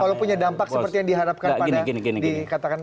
kalau punya dampak seperti yang diharapkan pada dikatakan